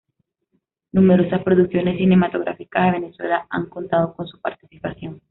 Numerosas producciones cinematográficas de Venezuela han contado con su participación.